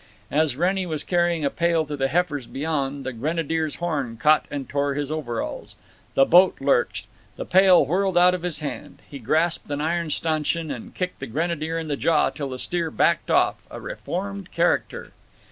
As Wrennie was carrying a pail to the heifers beyond, the Grenadier's horn caught and tore his overalls. The boat lurched. The pail whirled out of his hand. He grasped an iron stanchion and kicked the Grenadier in the jaw till the steer backed off, a reformed character.